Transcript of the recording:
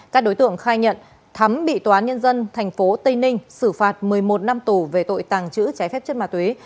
các đối tượng khai nhận thắm bị tòa án nhân dân tp tây ninh xử phạt một mươi một năm tù về tội tàng trữ trái phép chất ma túy